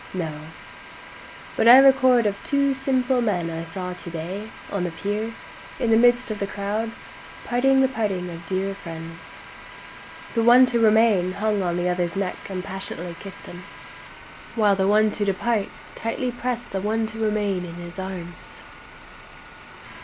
—No; But I record of two simple men I saw to day, on the pier, in the midst of the crowd, parting the parting of dear friends; The one to remain hung on the other's neck, and passionately kiss'd him, While the one to depart, tightly prest the one to remain in his arms.